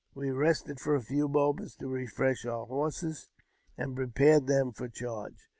We rested for a few moments, to refresh our horses and prepare them for the charge.